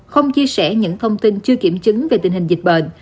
không chia sẻ những thông tin chưa kiểm chứng về tình hình dịch bệnh